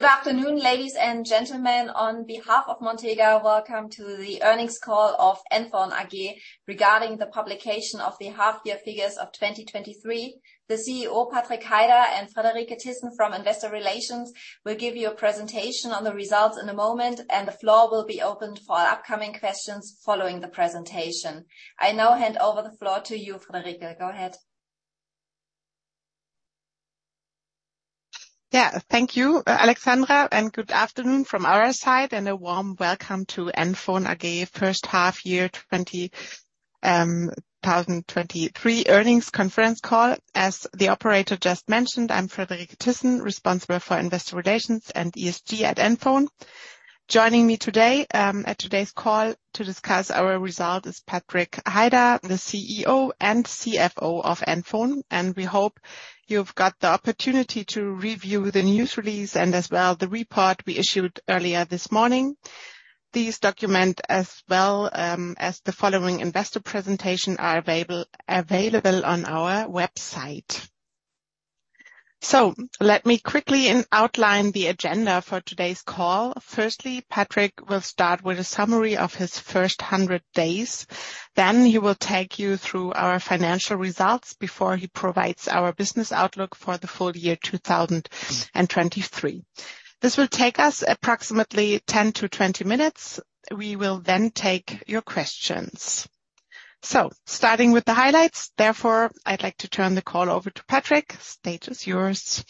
Good afternoon, ladies and gentlemen. On behalf of Montega, welcome to the earnings call of NFON AG regarding the publication of the half-year figures of 2023. The CEO, Patrik Heider, and Friederike Thyssen from Investor Relations, will give you a presentation on the results in a moment, and the floor will be opened for upcoming questions following the presentation. I now hand over the floor to you, Friederike. Go ahead. Yeah, thank you, Alexandra, and good afternoon from our side, and a warm welcome to NFON AG first half year 2023 earnings conference call. As the operator just mentioned, I'm Friederike Thyssen, responsible for Investor Relations and ESG at NFON. Joining me today at today's call to discuss our results is Patrik Heider, the CEO and CFO of NFON, and we hope you've got the opportunity to review the news release and as well, the report we issued earlier this morning. These documents, as well, as the following investor presentation, are available on our website. So let me quickly outline the agenda for today's call. Firstly, Patrik will start with a summary of his first 100 days. Then he will take you through our financial results before he provides our business outlook for the full year 2023. This will take us approximately 10-20 minutes. We will then take your questions. So starting with the highlights, therefore, I'd like to turn the call over to Patrik. Stage is yours.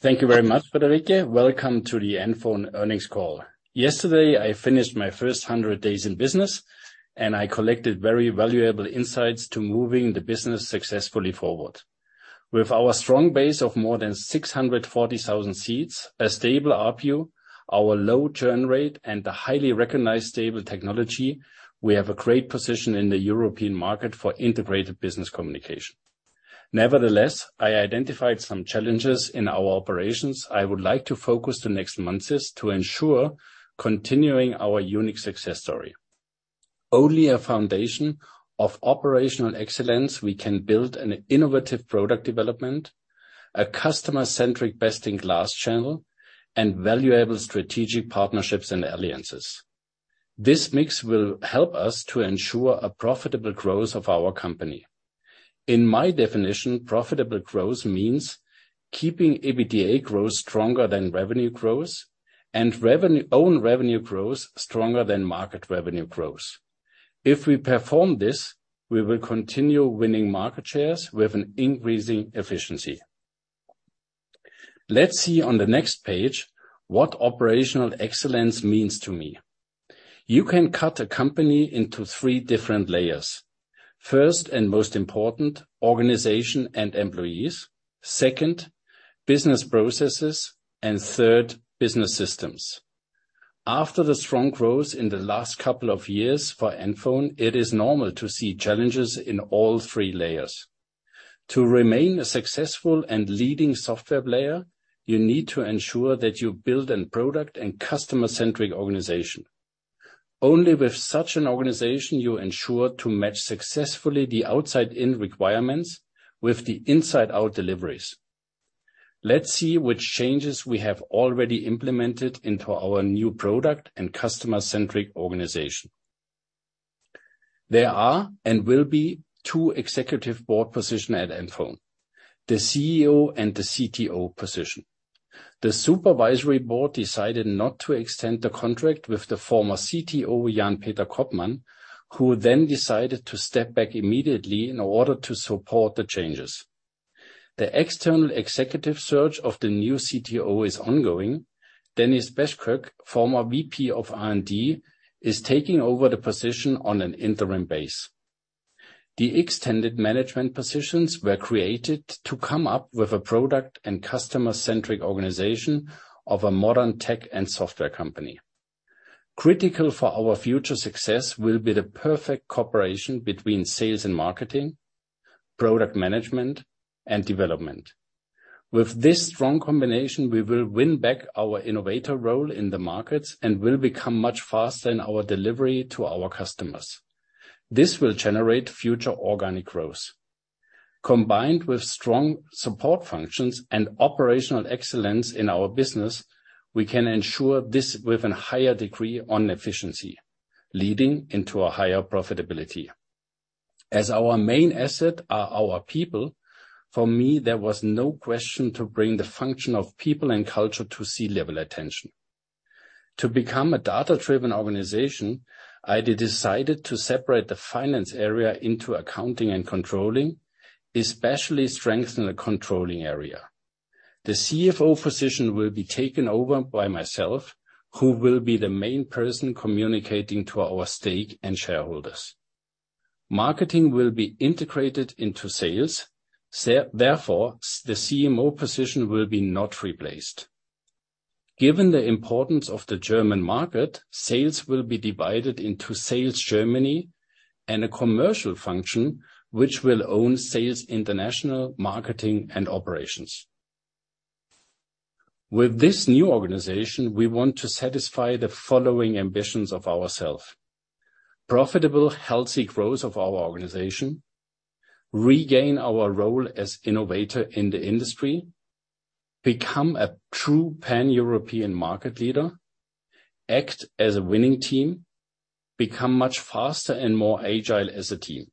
Thank you very much, Friederike. Welcome to the NFON earnings call. Yesterday, I finished my first 100 days in business, and I collected very valuable insights to moving the business successfully forward. With our strong base of more than 640,000 seats, a stable RPU, our low churn rate, and a highly recognized stable technology, we have a great position in the European market for integrated business communication. Nevertheless, I identified some challenges in our operations. I would like to focus the next months is to ensure continuing our unique success story. Only a foundation of operational excellence, we can build an innovative product development, a customer-centric best-in-class channel, and valuable strategic partnerships and alliances. This mix will help us to ensure a profitable growth of our company. In my definition, profitable growth means keeping EBITDA growth stronger than revenue growth, and revenue, own revenue growth stronger than market revenue growth. If we perform this, we will continue winning market shares with an increasing efficiency. Let's see on the next page, what operational excellence means to me. You can cut a company into three different layers. First, and most important, organization and employees. Second, business processes, and third, business systems. After the strong growth in the last couple of years for NFON, it is normal to see challenges in all three layers. To remain a successful and leading software player, you need to ensure that you build a product and customer-centric organization. Only with such an organization, you ensure to match successfully the outside-in requirements with the inside-out deliveries. Let's see which changes we have already implemented into our new product and customer-centric organization. There are and will be two executive board position at NFON, the CEO and the CTO position. The supervisory board decided not to extend the contract with the former CTO, Jan-Peter Koopmann, who then decided to step back immediately in order to support the changes. The external executive search of the new CTO is ongoing. Deniz Beskök, former VP of R&D, is taking over the position on an interim basis. The extended management positions were created to come up with a product and customer-centric organization of a modern tech and software company. Critical for our future success will be the perfect cooperation between sales and marketing, product management, and development. With this strong combination, we will win back our innovator role in the markets and will become much faster in our delivery to our customers. This will generate future organic growth. Combined with strong support functions and operational excellence in our business, we can ensure this with a higher degree of efficiency, leading into a higher profitability. As our main asset are our people, for me, there was no question to bring the function of people and culture to C-level attention. To become a data-driven organization, I decided to separate the finance area into accounting and controlling, especially strengthen the controlling area. The CFO position will be taken over by myself, who will be the main person communicating to our stakeholders and shareholders. Marketing will be integrated into sales, therefore, the CMO position will not be replaced. Given the importance of the German market, sales will be divided into sales Germany and a commercial function, which will own sales, international marketing, and operations. With this new organization, we want to satisfy the following ambitions of ourselves.... profitable, healthy growth of our organization, regain our role as innovator in the industry, become a true Pan-European market leader, act as a winning team, become much faster and more agile as a team.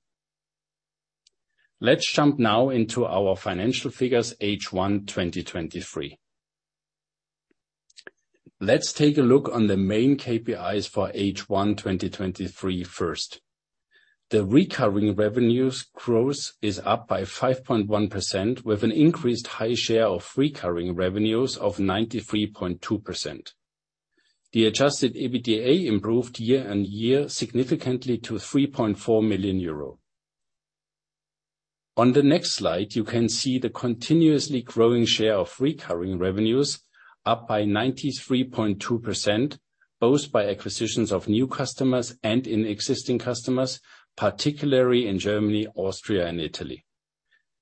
Let's jump now into our financial figures, H1 2023. Let's take a look on the main KPIs for H1 2023 first. The recurring revenues growth is up by 5.1%, with an increased high share of recurring revenues of 93.2%. The adjusted EBITDA improved year-on-year significantly to 3.4 million euro. On the next slide, you can see the continuously growing share of recurring revenues, up by 93.2%, both by acquisitions of new customers and in existing customers, particularly in Germany, Austria and Italy.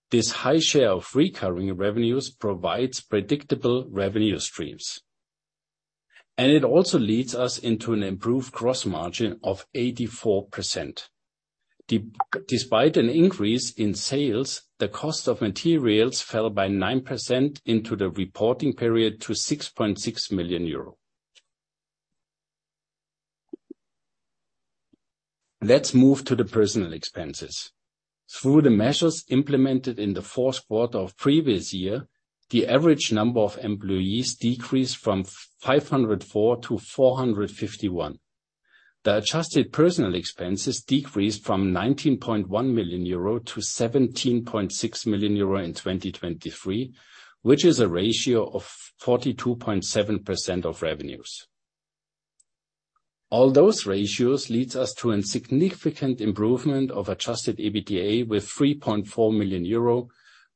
This high share of recurring revenues provides predictable revenue streams, and it also leads us into an improved gross margin of 84%. Despite an increase in sales, the cost of materials fell by 9% in the reporting period to 6.6 million euro. Let's move to the personnel expenses. Through the measures implemented in the fourth quarter of previous year, the average number of employees decreased from 504 to 451. The adjusted personnel expenses decreased from 19.1 million euro to 17.6 million euro in 2023, which is a ratio of 42.7% of revenues. All those ratios leads us to a significant improvement of adjusted EBITDA, with 3.4 million euro,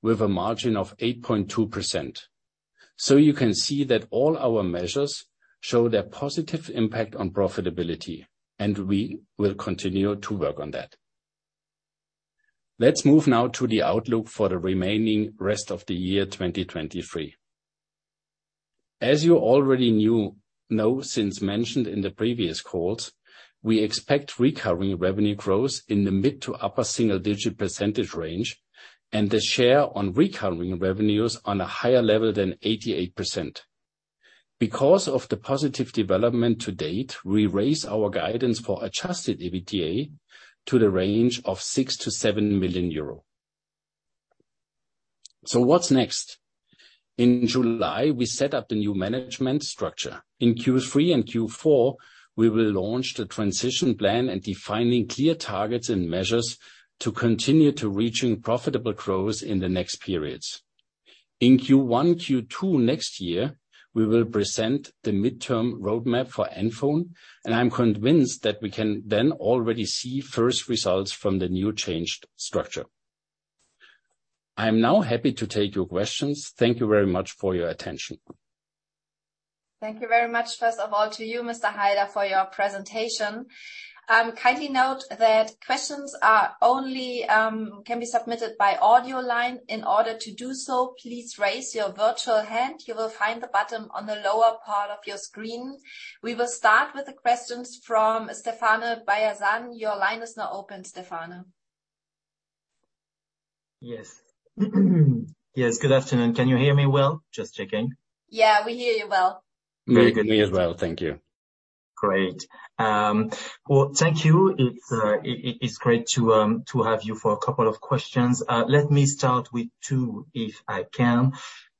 with a margin of 8.2%. So you can see that all our measures show their positive impact on profitability, and we will continue to work on that. Let's move now to the outlook for the remaining rest of the year 2023. As you already know, as mentioned in the previous calls, we expect recurring revenue growth in the mid- to upper-single-digit percentage range, and the share of recurring revenues at a higher level than 88%. Because of the positive development to date, we raise our guidance for adjusted EBITDA to the range of 6 million-7 million euro. So what's next? In July, we set up the new management structure. In Q3 and Q4, we will launch the transition plan and defining clear targets and measures to continue to reaching profitable growth in the next periods. In Q1, Q2 next year, we will present the midterm roadmap for NFON, and I'm convinced that we can then already see first results from the new changed structure. I am now happy to take your questions. Thank you very much for your attention. Thank you very much, first of all, to you, Mr. Heider, for your presentation. Kindly note that questions are only, can be submitted by audio line. In order to do so, please raise your virtual hand. You will find the button on the lower part of your screen. We will start with the questions from Stéphane Beyazian. Your line is now open, Stefano. Yes. Yes, good afternoon. Can you hear me well? Just checking. Yeah, we hear you well. Me, me as well. Thank you. Great. Well, thank you. It's great to have you for a couple of questions. Let me start with two, if I can.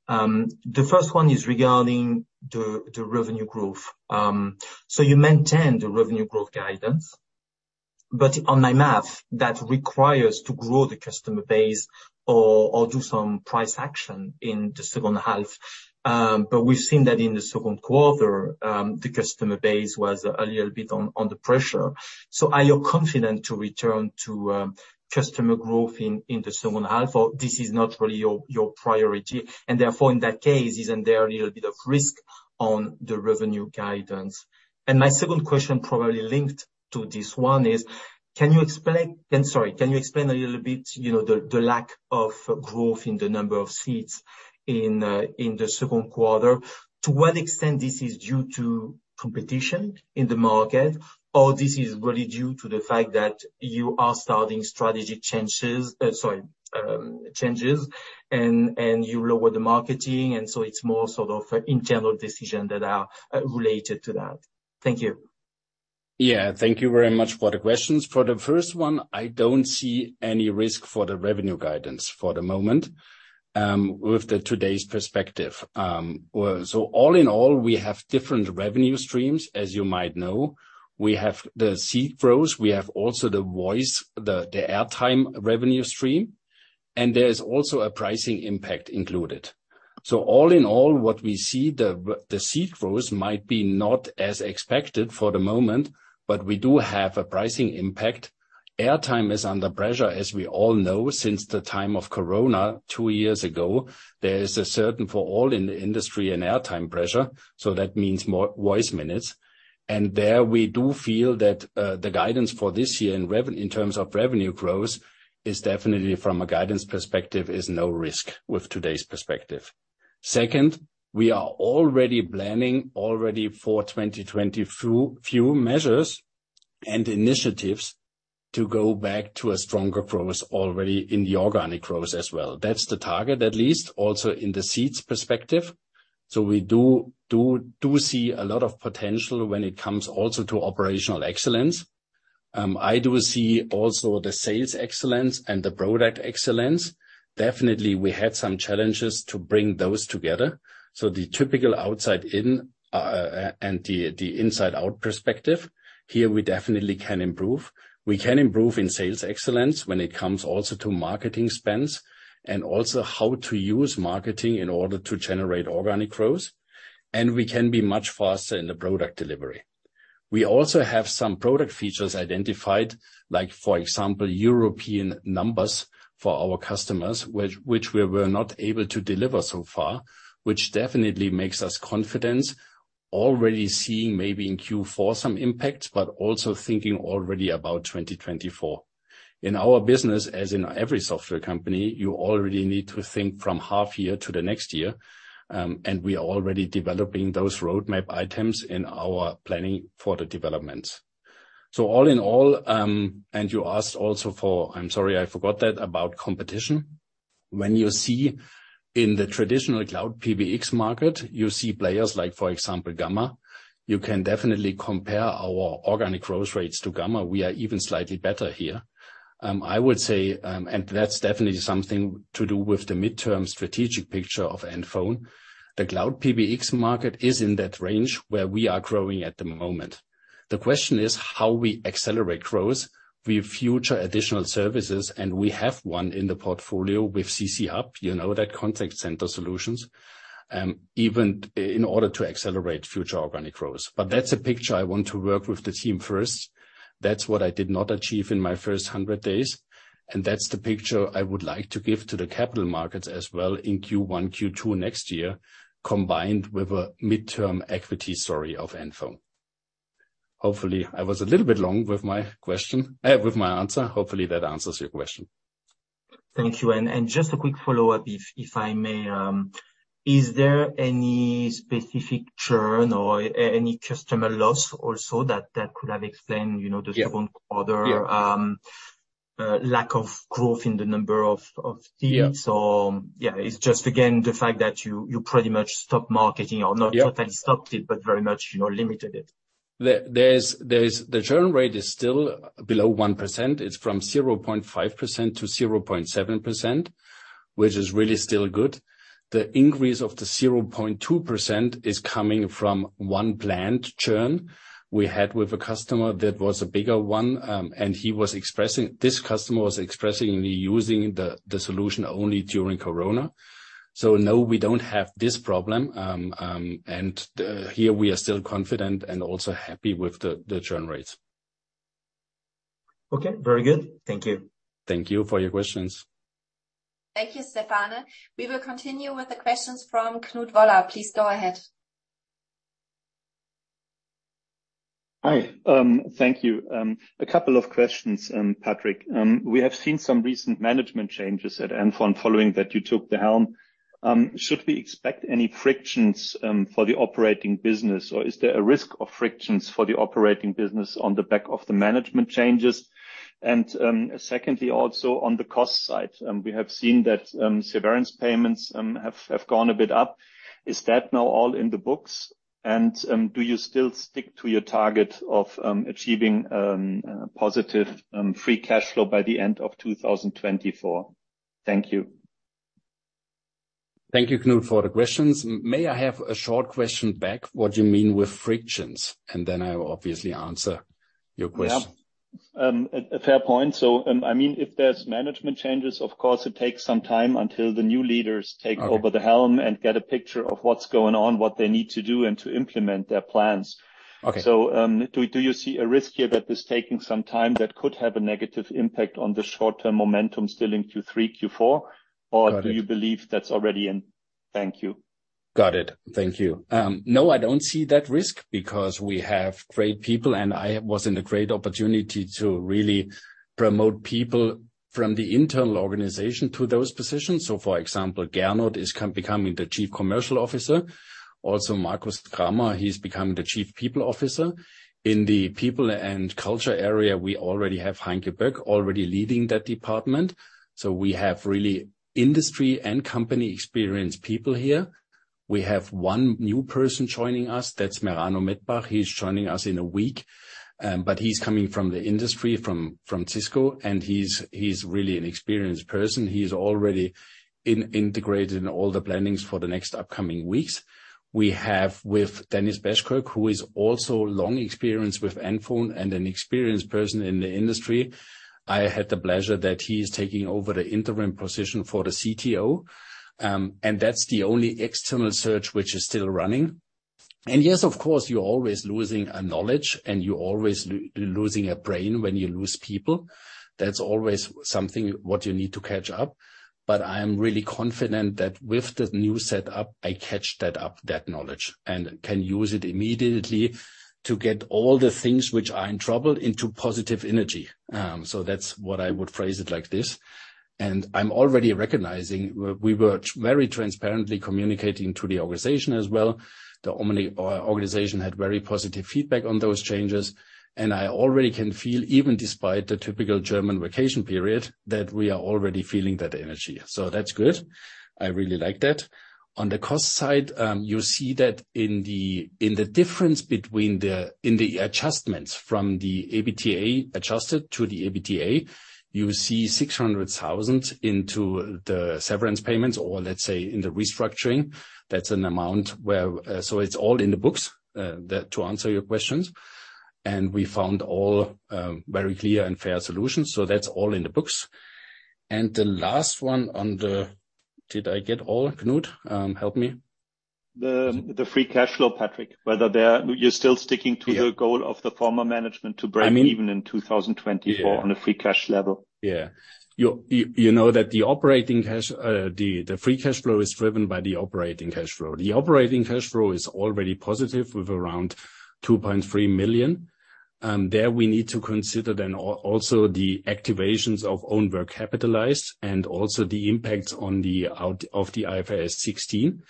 The first one is regarding the revenue growth. So you maintain the revenue growth guidance, but on my math, that requires to grow the customer base or do some price action in the second half. But we've seen that in the second quarter, the customer base was a little bit on the pressure. So are you confident to return to customer growth in the second half, or this is not really your priority, and therefore, in that case, isn't there a little bit of risk on the revenue guidance? And my second question, probably linked to this one, is can you explain... Sorry, can you explain a little bit, you know, the lack of growth in the number of seats in the second quarter? To what extent this is due to competition in the market, or this is really due to the fact that you are starting strategy changes, and you lower the marketing, and so it's more sort of internal decisions that are related to that? Thank you. Yeah, thank you very much for the questions. For the first one, I don't see any risk for the revenue guidance for the moment, with today's perspective. Well, so all in all, we have different revenue streams. As you might know, we have the seat growth, we have also the voice, the airtime revenue stream, and there is also a pricing impact included. So all in all, what we see, the seat growth might be not as expected for the moment, but we do have a pricing impact. Airtime is under pressure, as we all know, since the time of Corona two years ago. There is a certain, for all in the industry, an airtime pressure, so that means more voice minutes. And there we do feel that, the guidance for this year in terms of revenue growth, is definitely from a guidance perspective, is no risk with today's perspective. Second, we are already planning for 2024 a few measures and initiatives to go back to a stronger growth already in the organic growth as well. That's the target, at least, also in the seats perspective. So we do see a lot of potential when it comes also to operational excellence. I do see also the sales excellence and the product excellence. Definitely, we had some challenges to bring those together. So the typical outside in and the inside out perspective, here, we definitely can improve. We can improve in sales excellence when it comes also to marketing spends, and also how to use marketing in order to generate organic growth, and we can be much faster in the product delivery. We also have some product features identified, like, for example, European numbers for our customers, which we were not able to deliver so far, which definitely makes us confidence, already seeing maybe in Q4 some impact, but also thinking already about 2024. In our business, as in every software company, you already need to think from half year to the next year, and we are already developing those roadmap items in our planning for the development. So all in all, and you asked also for... I'm sorry, I forgot that, about competition. When you see in the traditional Cloud PBX market, you see players like, for example, Gamma. You can definitely compare our organic growth rates to Gamma. We are even slightly better here. I would say, and that's definitely something to do with the midterm strategic picture of NFON. The Cloud PBX market is in that range where we are growing at the moment. The question is how we accelerate growth with future additional services, and we have one in the portfolio with CC Hub, you know, that contact center solutions, even in order to accelerate future organic growth. But that's a picture I want to work with the team first. That's what I did not achieve in my first 100 days, and that's the picture I would like to give to the capital markets as well in Q1, Q2 next year, combined with a midterm equity story of NFON. Hopefully, I was a little bit long with my question, with my answer. Hopefully, that answers your question. Thank you. Just a quick follow-up, if I may. Is there any specific churn or any customer loss also that could have explained, you know, the strong order? Yeah. Lack of growth in the number of teams- Yeah. Or, yeah, it's just again, the fact that you, you pretty much stopped marketing or not? Yeah... totally stopped it, but very much, you know, limited it. The churn rate is still below 1%. It's from 0.5%-0.7%, which is really still good. The increase of the 0.2% is coming from one planned churn we had with a customer that was a bigger one, and he was exclusively using the solution only during Corona. So no, we don't have this problem. And here we are still confident and also happy with the churn rates. Okay, very good. Thank you. Thank you for your questions. Thank you, Stéphane. We will continue with the questions from Knut Woller. Please go ahead. Hi, thank you. A couple of questions, Patrik. We have seen some recent management changes at NFON following that you took the helm. Should we expect any frictions for the operating business, or is there a risk of frictions for the operating business on the back of the management changes? Secondly, also on the cost side, we have seen that severance payments have gone a bit up. Is that now all in the books? Do you still stick to your target of achieving positive free cash flow by the end of 2024? Thank you. Thank you, Knut, for the questions. May I have a short question back? What do you mean with frictions? And then I will obviously answer your question. Yeah. A fair point. So, I mean, if there's management changes, of course, it takes some time until the new leaders take- Okay... over the helm and get a picture of what's going on, what they need to do, and to implement their plans. Okay. Do you see a risk here that is taking some time that could have a negative impact on the short-term momentum still in Q3, Q4? Got it. Or do you believe that's already in? Thank you. Got it. Thank you. No, I don't see that risk because we have great people, and I was in a great opportunity to really promote people from the internal organization to those positions. So, for example, Gernot is becoming the Chief Commercial Officer. Also, Markus Krammer, he's becoming the Chief People Officer. In the people and culture area, we already have Heike Böck leading that department. So we have really industry and company experienced people here. We have one new person joining us, that's Merano Mettbach, he's joining us in a week. But he's coming from the industry, from Cisco, and he's really an experienced person. He's already integrated in all the plannings for the next upcoming weeks. We have with Deniz Beskök, who is also long experienced with NFON and an experienced person in the industry. I had the pleasure that he is taking over the interim position for the CTO, and that's the only external search which is still running. Yes, of course, you're always losing a knowledge, and you're always losing a brain when you lose people. That's always something what you need to catch up. But I am really confident that with the new set up, I catch that up, that knowledge, and can use it immediately to get all the things which are in trouble into positive energy. So that's what I would phrase it like this... I'm already recognizing we were very transparently communicating to the organization as well. The Omni organization had very positive feedback on those changes, and I already can feel, even despite the typical German vacation period, that we are already feeling that energy. So that's good. I really like that. On the cost side, you see that in the difference between the adjustments from the EBITDA adjusted to the EBITDA. You see 600,000 into the severance payments or let's say, in the restructuring. That's an amount where, so it's all in the books, that, to answer your questions, and we found all, very clear and fair solutions, so that's all in the books. And the last one on the... Did I get all, Knut? Help me. The free cash flow, Patrick, whether they are, you're still sticking to the- Yeah Goal of the former management to break even in 2024. Yeah -on a free cash level. Yeah. You know that the operating cash, the free cash flow is driven by the operating cash flow. The operating cash flow is already positive with around 2.3 million. There we need to consider then also the activations of own work capitalized and also the impact of the IFRS 16.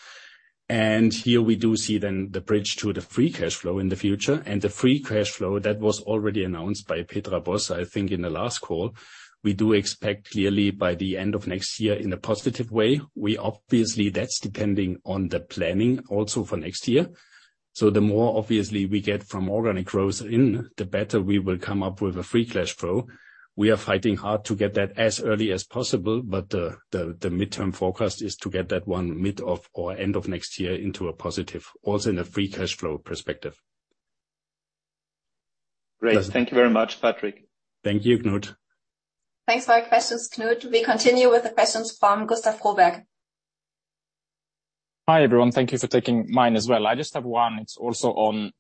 And here we do see then the bridge to the free cash flow in the future, and the free cash flow, that was already announced by Peter Bos, I think, in the last call. We do expect clearly by the end of next year in a positive way. We obviously, that's depending on the planning also for next year. So the more obviously we get from organic growth in, the better we will come up with a free cash flow. We are fighting hard to get that as early as possible, but the midterm forecast is to get that one mid of or end of next year into a positive, also in a Free Cash Flow perspective. Great. Thank you very much, Patrick. Thank you, Knut. Thanks for your questions, Knut. We continue with the questions from Gustav Froberg. Hi, everyone. Thank you for taking mine as well. I just have one. It's also on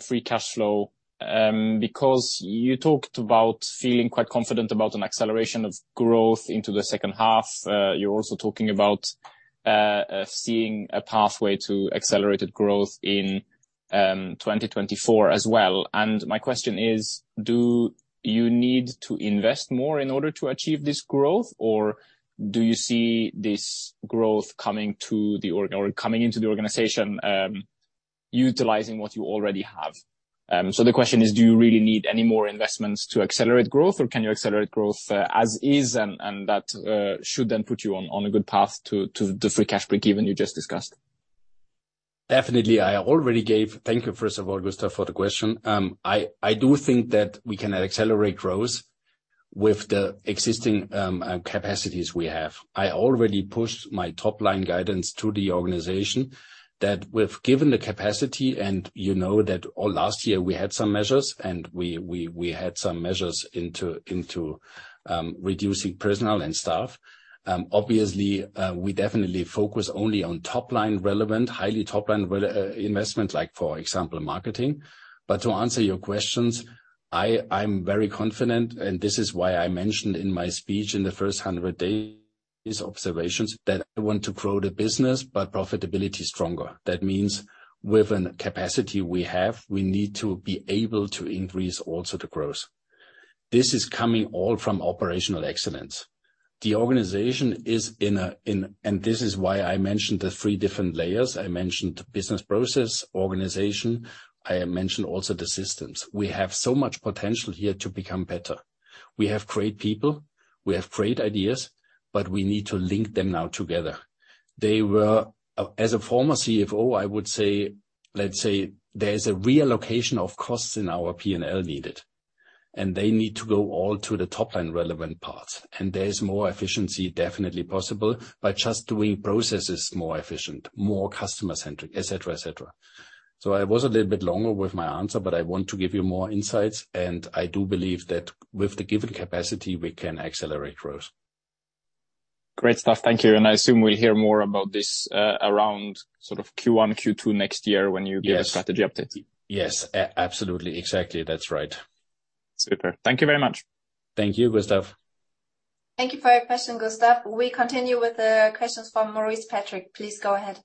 free cash flow. Because you talked about feeling quite confident about an acceleration of growth into the second half, you're also talking about seeing a pathway to accelerated growth in 2024 as well. And my question is, do you need to invest more in order to achieve this growth, or do you see this growth coming into the organization utilizing what you already have? So the question is, do you really need any more investments to accelerate growth, or can you accelerate growth as is, and that should then put you on a good path to the free cash break even you just discussed? Definitely. I already gave... Thank you, first of all, Gustav, for the question. I do think that we can accelerate growth with the existing capacities we have. I already pushed my top-line guidance to the organization, that with given the capacity, and you know that all last year we had some measures, and we had some measures into reducing personnel and staff. Obviously, we definitely focus only on top-line relevant, highly top-line relevant investment, like, for example, marketing. But to answer your questions, I'm very confident, and this is why I mentioned in my speech in the first 100 days observations, that I want to grow the business, but profitability stronger. That means with a capacity we have, we need to be able to increase also the growth. This is coming all from operational excellence. The organization is in a – and this is why I mentioned the three different layers. I mentioned the business process, organization, I mentioned also the systems. We have so much potential here to become better. We have great people, we have great ideas, but we need to link them now together. They were, as a former CFO, I would say, let's say, there is a reallocation of costs in our P&L needed, and they need to go all to the top line relevant parts. And there is more efficiency definitely possible by just doing processes more efficient, more customer-centric, et cetera, et cetera. So I was a little bit longer with my answer, but I want to give you more insights, and I do believe that with the given capacity, we can accelerate growth. Great stuff. Thank you. And I assume we'll hear more about this, around sort of Q1, Q2 next year when you- Yes Do the strategy update. Yes, absolutely. Exactly, that's right. Super. Thank you very much. Thank you, Gustav. Thank you for your question, Gustav. We continue with the questions from Maurice Patrick. Please go ahead.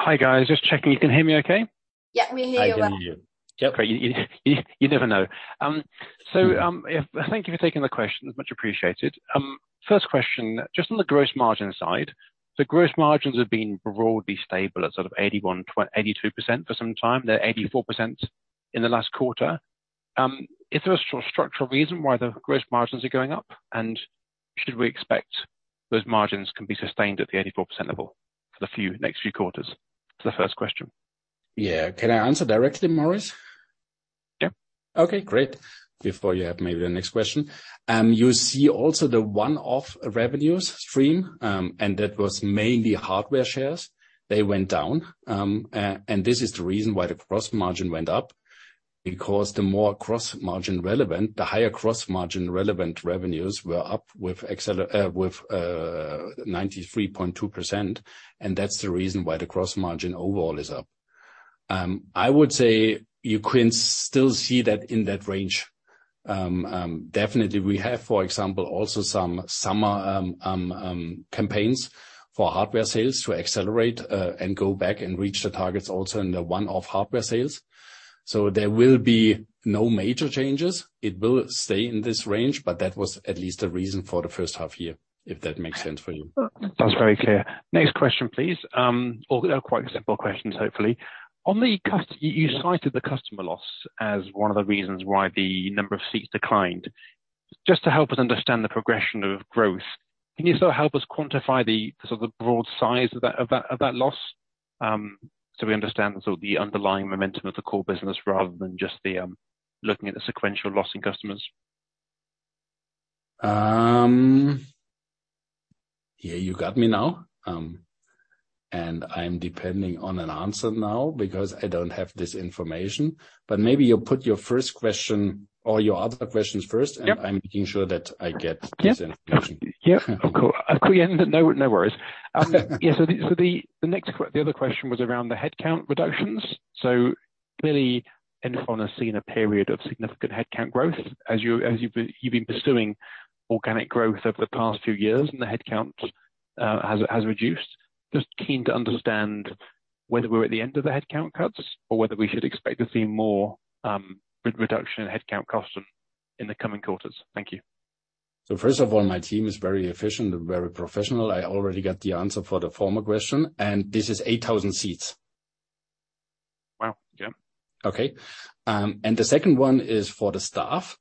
Hi, guys. Just checking you can hear me okay? Yeah, we hear you well. I can hear you. Yep, great. You never know. So, yeah, thank you for taking the questions. Much appreciated. First question, just on the gross margin side, the gross margins have been broadly stable at sort of 81-82% for some time. They're 84% in the last quarter. Is there a structural reason why the gross margins are going up? And should we expect those margins can be sustained at the 84% level for the next few quarters? That's the first question. Yeah. Can I answer directly, Maurice? Yeah. Okay, great, before you have maybe the next question. You see also the one-off revenues stream, and that was mainly hardware sales. They went down, and this is the reason why the gross margin went up, because the more gross margin relevant, the higher gross margin relevant revenues were up as well with 93.2%, and that's the reason why the gross margin overall is up. I would say you can still see that in that range.... Definitely we have, for example, also some summer campaigns for hardware sales to accelerate, and go back and reach the targets also in the one-off hardware sales. So there will be no major changes. It will stay in this range, but that was at least the reason for the first half year, if that makes sense for you. That's very clear. Next question, please. Well, they're quite simple questions, hopefully. You cited the customer loss as one of the reasons why the number of seats declined. Just to help us understand the progression of growth, can you sort of help us quantify the sort of broad size of that loss? So we understand sort of the underlying momentum of the core business rather than just looking at the sequential loss in customers. Yeah, you got me now, and I'm depending on an answer now because I don't have this information. But maybe you put your first question or your other questions first- Yep. And I'm making sure that I get this information. Yeah. Of course. No, no worries. Yeah, so the other question was around the headcount reductions. So clearly, NFON has seen a period of significant headcount growth as you've been pursuing organic growth over the past few years, and the headcount has reduced. Just keen to understand whether we're at the end of the headcount cuts or whether we should expect to see more reduction in headcount in the coming quarters. Thank you. First of all, my team is very efficient and very professional. I already got the answer for the former question, and this is 8,000 seats. Wow. Yeah. Okay. And the second one is for the staff.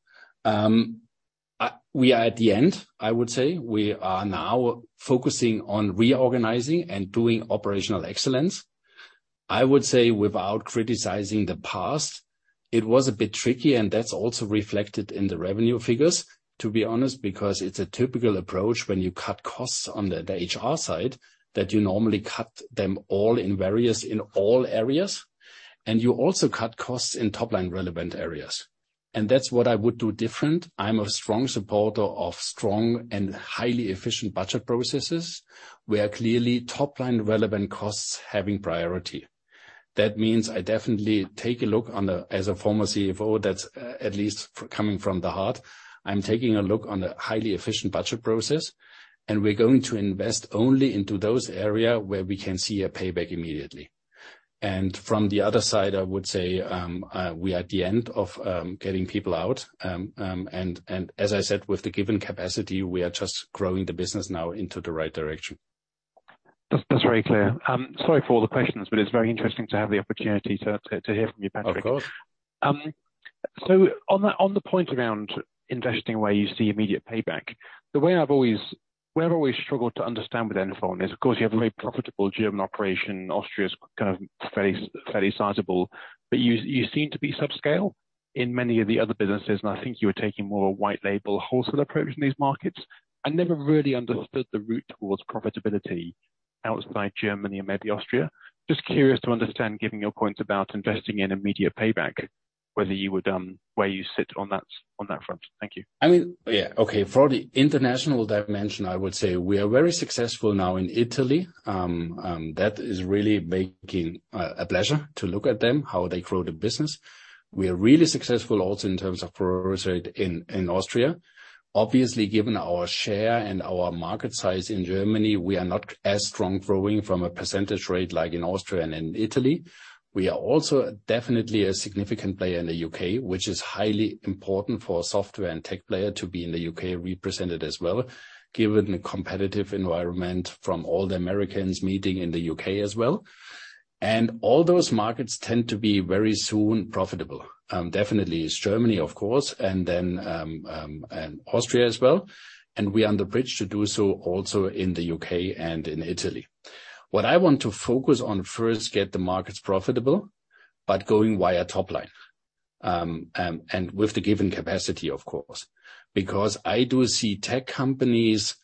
We are at the end, I would say. We are now focusing on reorganizing and doing operational excellence. I would say without criticizing the past, it was a bit tricky, and that's also reflected in the revenue figures, to be honest, because it's a typical approach when you cut costs on the HR side, that you normally cut them all in various areas, and you also cut costs in top-line relevant areas. And that's what I would do different. I'm a strong supporter of strong and highly efficient budget processes, where clearly top-line relevant costs having priority. That means I definitely take a look on the, as a former CFO, that's at least coming from the heart. I'm taking a look on the highly efficient budget process, and we're going to invest only into those area where we can see a payback immediately. From the other side, I would say, we are at the end of getting people out. And as I said, with the given capacity, we are just growing the business now into the right direction. That's, that's very clear. Sorry for all the questions, but it's very interesting to have the opportunity to hear from you, Patrik. Of course. So on the point around investing where you see immediate payback, the way I've always... Where I've always struggled to understand with NFON is, of course, you have a very profitable German operation. Austria is kind of fairly sizable, but you seem to be subscale in many of the other businesses, and I think you are taking more of a white label wholesale approach in these markets. I never really understood the route towards profitability outside Germany and maybe Austria. Just curious to understand, given your point about investing in immediate payback, whether you would, where you sit on that, on that front. Thank you. I mean, yeah, okay. For the international dimension, I would say we are very successful now in Italy. That is really making a pleasure to look at them, how they grow the business. We are really successful also in terms of growth rate in Austria. Obviously, given our share and our market size in Germany, we are not as strong growing from a percentage rate like in Austria and in Italy. We are also definitely a significant player in the UK, which is highly important for a software and tech player to be in the UK, represented as well, given the competitive environment from all the Americans meeting in the UK as well. All those markets tend to be very soon profitable. Definitely is Germany, of course, and then, and Austria as well, and we are on the bridge to do so also in the UK and in Italy. What I want to focus on first, get the markets profitable, but going via top line, and with the given capacity, of course, because I do see tech companies.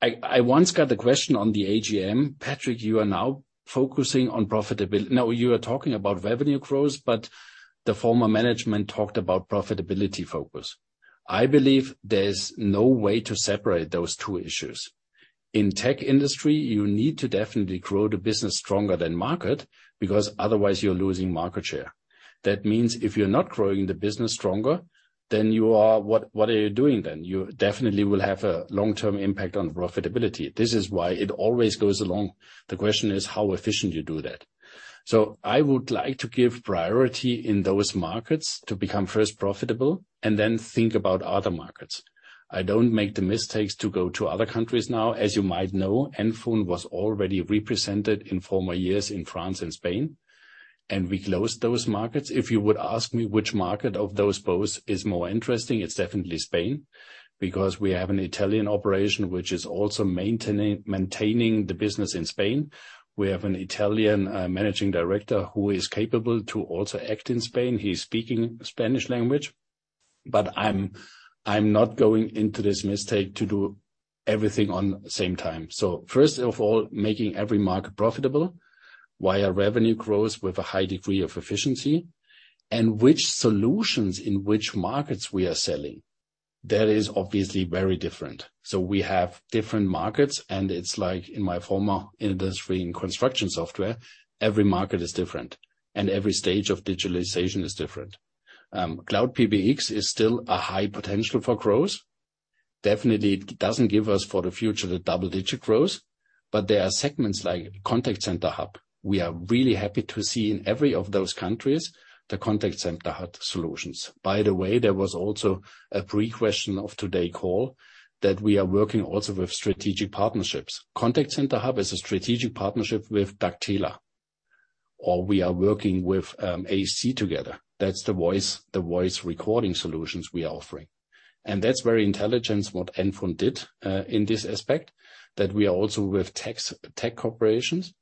I once got the question on the AGM: Patrick, you are now focusing on profitability. No, you are talking about revenue growth, but the former management talked about profitability focus. I believe there's no way to separate those two issues. In tech industry, you need to definitely grow the business stronger than market, because otherwise you're losing market share. That means if you're not growing the business stronger, then you are. What are you doing then? You definitely will have a long-term impact on profitability. This is why it always goes along. The question is how efficient you do that. So I would like to give priority in those markets to become first profitable and then think about other markets. I don't make the mistakes to go to other countries now. As you might know, NFON was already represented in former years in France and Spain, and we closed those markets. If you would ask me which market of those both is more interesting, it's definitely Spain, because we have an Italian operation which is also maintaining the business in Spain. We have an Italian managing director who is capable to also act in Spain. He's speaking Spanish language. But I'm not going into this mistake to do everything on the same time. So first of all, making every market profitable, via revenue growth with a high degree of efficiency, and which solutions in which markets we are selling?... That is obviously very different. So we have different markets, and it's like in my former industry, in construction software, every market is different, and every stage of digitalization is different. Cloud PBX is still a high potential for growth. Definitely, it doesn't give us for the future the double-digit growth, but there are segments like Contact Center Hub. We are really happy to see in every of those countries, the Contact Center Hub solutions. By the way, there was also a pre-question of today's call, that we are working also with strategic partnerships. Contact Center Hub is a strategic partnership with Daktela, or we are working with, ASC together. That's the voice, the voice recording solutions we are offering. That's very intelligent, what NFON did in this aspect, that we are also with tech operations,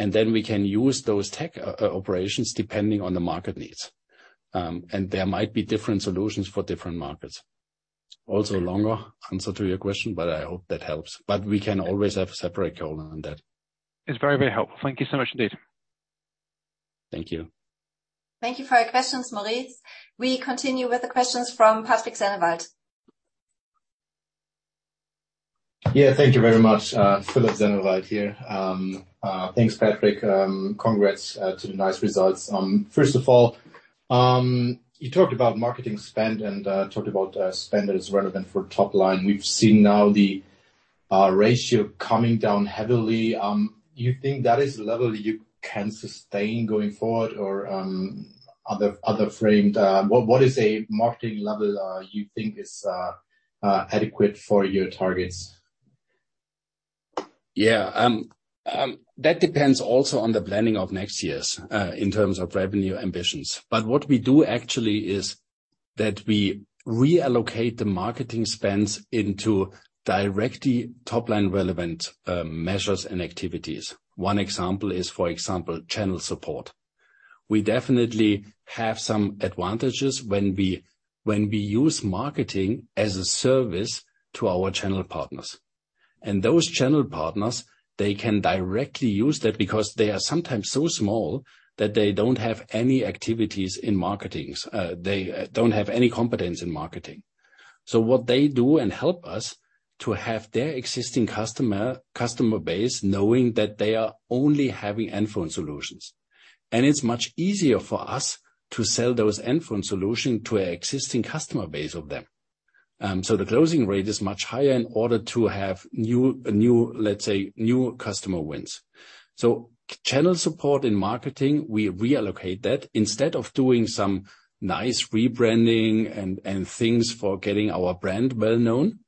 and then we can use those tech operations depending on the market needs. And there might be different solutions for different markets. Also, a longer answer to your question, but I hope that helps. But we can always have a separate call on that. It's very, very helpful. Thank you so much indeed. Thank you. Thank you for your questions, Maurice. We continue with the questions from Philipp Sennewald. Yeah, thank you very much. Philipp Sennewald here. Thanks, Patrik. Congrats to the nice results. First of all, you talked about marketing spend and talked about spend that is relevant for top line. We've seen now the ratio coming down heavily. You think that is a level you can sustain going forward, or other framed... What is a marketing level you think is adequate for your targets? Yeah. That depends also on the planning of next years in terms of revenue ambitions. But what we do actually is that we reallocate the marketing spends into directly top-line relevant measures and activities. One example is, for example, channel support. We definitely have some advantages when we, when we use marketing as a service to our channel partners. And those channel partners, they can directly use that because they are sometimes so small that they don't have any activities in marketing, they don't have any competence in marketing. So what they do and help us to have their existing customer, customer base, knowing that they are only having NFON solutions. And it's much easier for us to sell those NFON solution to our existing customer base of them. So the closing rate is much higher in order to have new, let's say, new customer wins. So channel support in marketing, we reallocate that. Instead of doing some nice rebranding and things for getting our brand well known,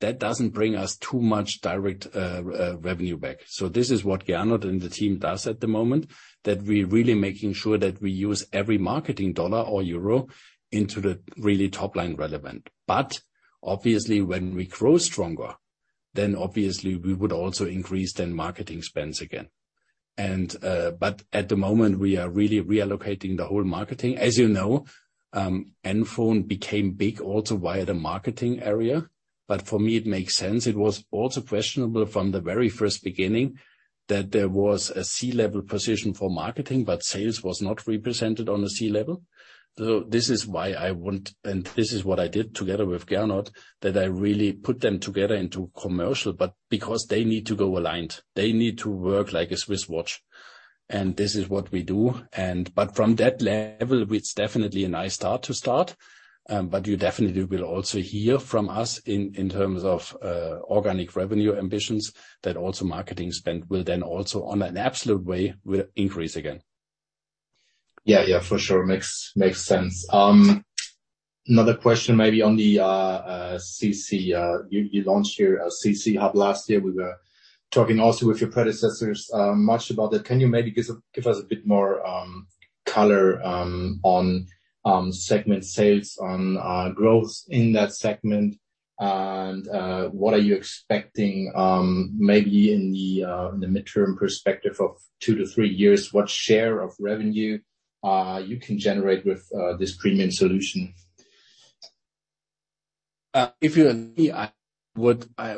that doesn't bring us too much direct revenue back. So this is what Gernot and the team does at the moment, that we're really making sure that we use every marketing dollar or euro into the really top line relevant. But obviously, when we grow stronger, then obviously we would also increase then marketing spends again. And but at the moment, we are really reallocating the whole marketing. As you know, NFON became big also via the marketing area, but for me, it makes sense. It was also questionable from the very first beginning that there was a C-level position for marketing, but sales was not represented on the C level. So this is why I want, and this is what I did together with Gernot, that I really put them together into commercial, but because they need to go aligned, they need to work like a Swiss watch, and this is what we do. From that level, it's definitely a nice start to start, but you definitely will also hear from us in terms of organic revenue ambitions, that also marketing spend will then also, on an absolute way, will increase again. Yeah, yeah, for sure. Makes, makes sense. Another question maybe on the CC Hub. You launched your CC Hub last year. We were talking also with your predecessors, much about that. Can you maybe give us, give us a bit more color on segment sales, on growth in that segment? And, what are you expecting, maybe in the midterm perspective of two to three years, what share of revenue you can generate with this premium solution? If you ask me, I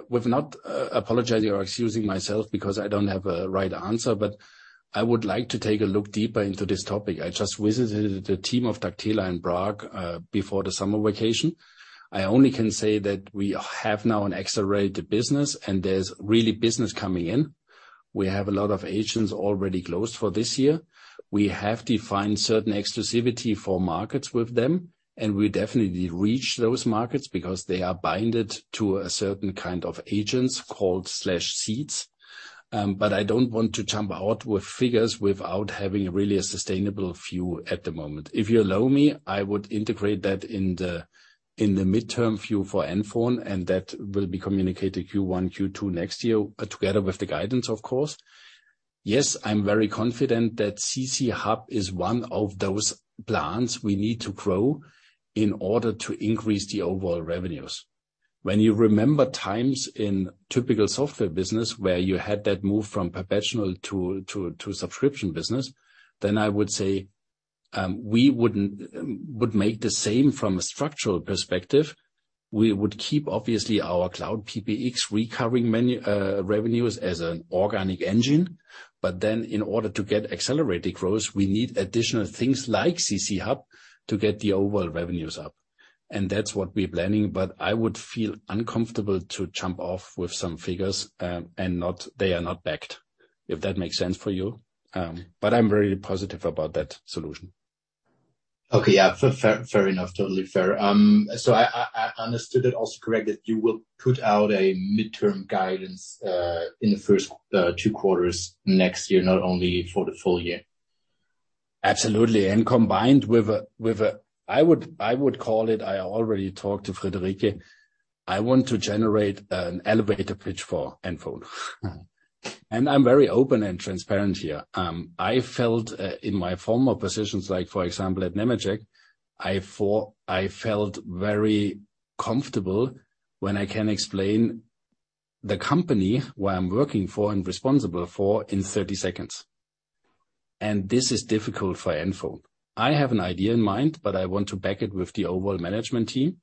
would not apologize or excuse myself because I don't have a right answer, but I would like to take a deeper look into this topic. I just visited the team of Daktela in Prague before the summer vacation. I only can say that we have now an accelerated business, and there's really business coming in. We have a lot of agents already closed for this year. We have defined certain exclusivity for markets with them, and we definitely reach those markets because they are bound to a certain kind of agents called slash seats. But I don't want to jump out with figures without having really a sustainable view at the moment. If you allow me, I would integrate that in the midterm view for NFON, and that will be communicated Q1, Q2 next year, but together with the guidance, of course. Yes, I'm very confident that CC Hub is one of those plans we need to grow in order to increase the overall revenues. When you remember times in typical software business, where you had that move from perpetual to subscription business, then I would say... We wouldn't would make the same from a structural perspective. We would keep, obviously, our Cloud PBX recovering many revenues as an organic engine. But then in order to get accelerated growth, we need additional things like CC Hub to get the overall revenues up, and that's what we're planning. But I would feel uncomfortable to jump off with some figures, and not, they are not backed, if that makes sense for you. But I'm very positive about that solution. Okay, yeah, fair, fair, fair enough. Totally fair. So I understood it also correct, that you will put out a midterm guidance in the first two quarters next year, not only for the full year? Absolutely, combined with... I would call it. I already talked to Friederike. I want to generate an elevator pitch for NFON. And I'm very open and transparent here. I felt in my former positions, like, for example, at Nemetschek, I thought I felt very comfortable when I can explain the company where I'm working for and responsible for in 30 seconds. And this is difficult for NFON. I have an idea in mind, but I want to back it with the overall management team.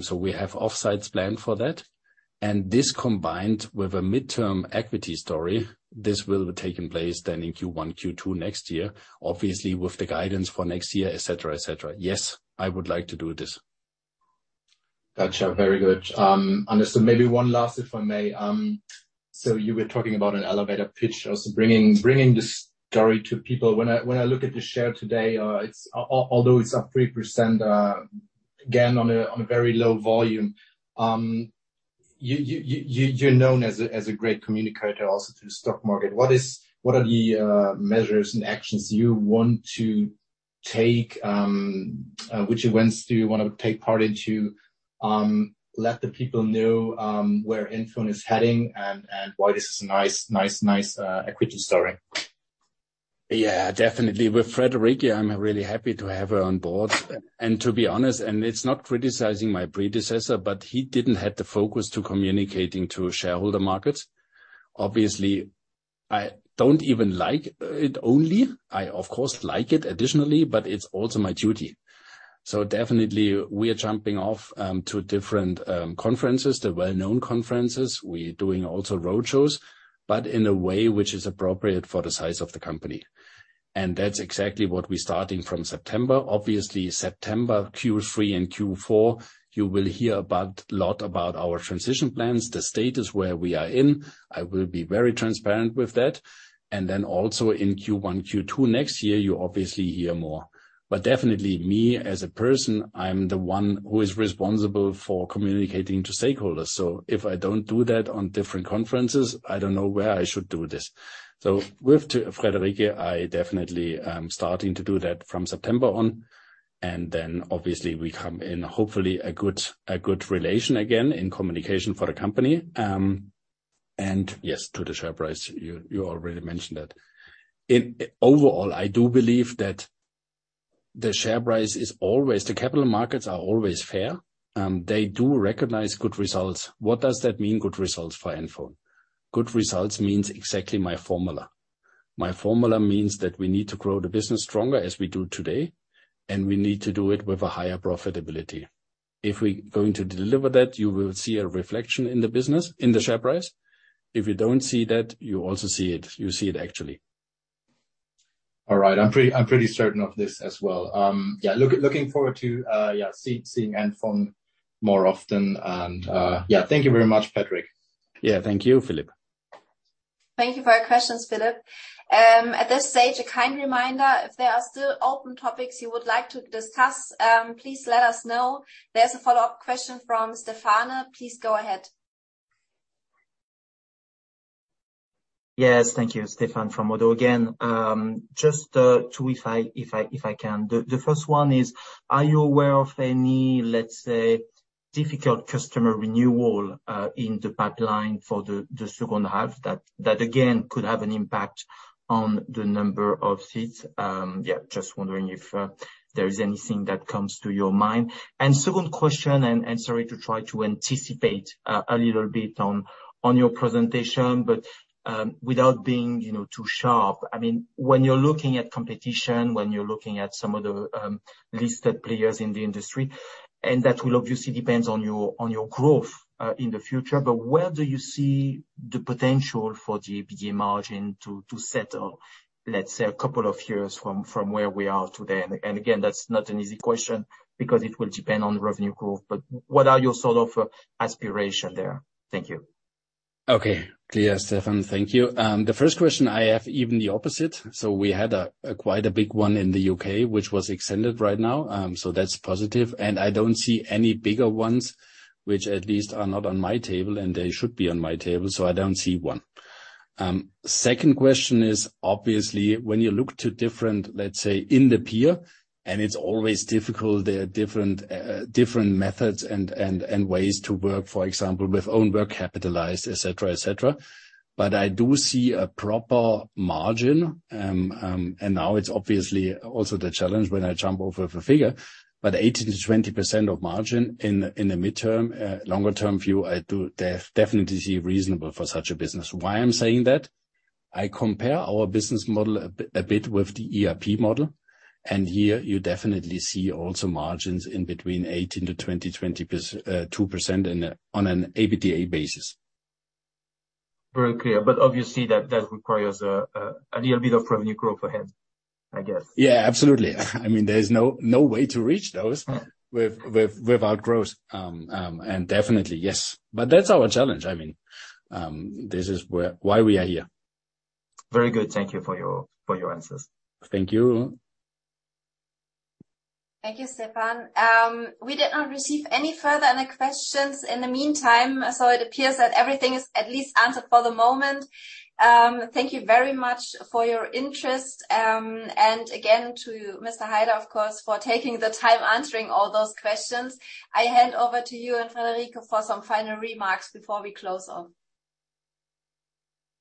So we have off-sites planned for that. And this, combined with a midterm equity story, this will be taking place then in Q1, Q2 next year, obviously, with the guidance for next year, et cetera, et cetera. Yes, I would like to do this. Gotcha. Very good. Understood. Maybe one last, if I may. So you were talking about an elevator pitch, also bringing the story to people. When I look at the share today, it's up 3%, although again, on a very low volume, you're known as a great communicator also to the stock market. What are the measures and actions you want to take, which events do you wanna take part in to let the people know where NFON is heading and why this is a nice equity story? Yeah, definitely. With Friederike, I'm really happy to have her on board. And to be honest, and it's not criticizing my predecessor, but he didn't have the focus to communicating to shareholder markets. Obviously, I don't even like it only. I, of course, like it additionally, but it's also my duty. So definitely we are jumping off to different conferences, the well-known conferences. We're doing also road shows, but in a way which is appropriate for the size of the company. And that's exactly what we're starting from September. Obviously, September, Q3 and Q4, you will hear about a lot about our transition plans, the status where we are in. I will be very transparent with that. And then also in Q1, Q2 next year, you obviously hear more. But definitely me, as a person, I'm the one who is responsible for communicating to stakeholders. So if I don't do that on different conferences, I don't know where I should do this. So with Friederike, I definitely am starting to do that from September on, and then obviously we come in, hopefully, a good, a good relation again in communication for the company. And yes, to the share price, you already mentioned that. Overall, I do believe that the share price is always, the capital markets are always fair, they do recognize good results. What does that mean, good results for NFON? Good results means exactly my formula. My formula means that we need to grow the business stronger as we do today, and we need to do it with a higher profitability. If we're going to deliver that, you will see a reflection in the business, in the share price. If you don't see that, you also see it, you see it, actually. All right. I'm pretty, I'm pretty certain of this as well. Yeah, looking forward to, yeah, seeing NFON more often. Yeah, thank you very much, Patrick. Yeah, thank you, Philip. Thank you for your questions, Philip. At this stage, a kind reminder, if there are still open topics you would like to discuss, please let us know. There's a follow-up question from Stéphane. Please go ahead. Yes, thank you. Stéphane from Oddo again. Just two if I can. The first one is: Are you aware of any, let's say, difficult customer renewal in the pipeline for the second half that again could have an impact on the number of seats? Yeah, just wondering if there is anything that comes to your mind. And second question, sorry to try to anticipate a little bit on your presentation, but without being, you know, too sharp. I mean, when you're looking at competition, when you're looking at some of the listed players in the industry, and that will obviously depend on your, on your growth in the future, but where do you see the potential for the EBITDA margin to settle, let's say, a couple of years from where we are today? And again, that's not an easy question because it will depend on the revenue growth, but what are your sort of aspiration there? Thank you. Okay. Clear, Stéphane. Thank you. The first question, I have even the opposite. So we had a quite big one in the UK, which was extended right now. So that's positive. And I don't see any bigger ones, which at least are not on my table, and they should be on my table, so I don't see one. Second question is, obviously, when you look to different, let's say, in the peer, and it's always difficult, there are different methods and ways to work, for example, with own work capitalized, et cetera, et cetera. But I do see a proper margin, and now it's obviously also the challenge when I jump over the figure, but 18%-20% margin in the midterm, longer term view, I do definitely see reasonable for such a business. Why I'm saying that? I compare our business model a bit with the ERP model, and here you definitely see also margins in between 18%-20%, 22% on an EBITDA basis. Very clear, but obviously that requires a little bit of revenue growth ahead, I guess. Yeah, absolutely. I mean, there's no way to reach those without growth. And definitely, yes, but that's our challenge, I mean. This is where, why we are here. Very good. Thank you for your, for your answers. Thank you. Thank you, Stéphane. We did not receive any further other questions in the meantime, so it appears that everything is at least answered for the moment. Thank you very much for your interest, and again, to Mr. Heider, of course, for taking the time answering all those questions. I hand over to you and Friederike for some final remarks before we close off.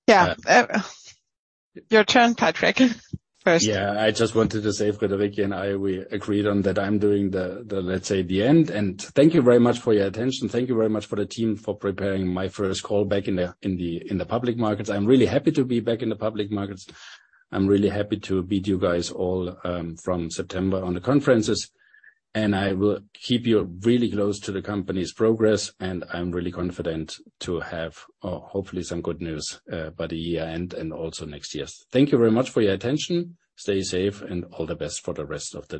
Yeah. Your turn, Patrik, first. Yeah, I just wanted to say, Friederike and I, we agreed on that I'm doing the... let's say, the end. And thank you very much for your attention. Thank you very much to the team for preparing my first call back in the public markets. I'm really happy to be back in the public markets. I'm really happy to meet you guys all from September on the conferences, and I will keep you really close to the company's progress, and I'm really confident to have hopefully some good news by the year end and also next year. Thank you very much for your attention. Stay safe, and all the best for the rest of the day.